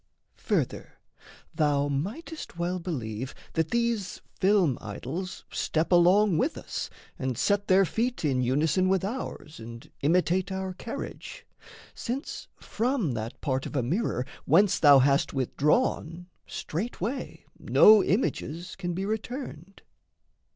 Further, thou might'st well believe That these film idols step along with us And set their feet in unison with ours And imitate our carriage, since from that Part of a mirror whence thou hast withdrawn Straightway no images can be returned.